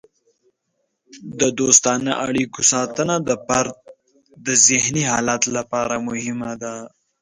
د دوستانه اړیکو ساتنه د فرد د ذهني حالت لپاره مهمه ده.